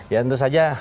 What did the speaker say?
ya tentu saja